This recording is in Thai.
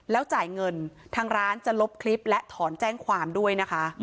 แล้วจ่ายเงินทางร้านจะลบคลิปและถอนแจ้งความด้วยนะคะ